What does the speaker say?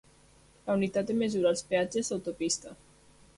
La unitat de mesura als peatges d'autopista.